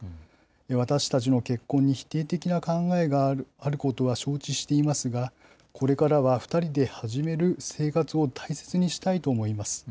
私たちの結婚に否定的な考えがあることは、承知していますが、これからは２人で始める生活を大切にしたいと思います。